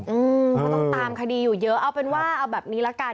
ก็ต้องตามคดีอยู่เยอะเอาเป็นว่าเอาแบบนี้ละกัน